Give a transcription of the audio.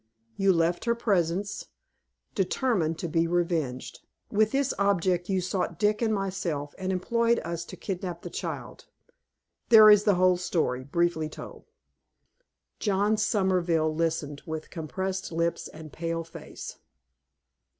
You left her presence, determined to be revenged. With this object you sought Dick and myself, and employed us to kidnap the child. There is the whole story, briefly told." John Somerville listened, with compressed lips and pale face.